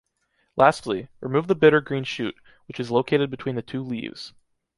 Lastly, remove the bitter green shoot, which is located between the two leaves.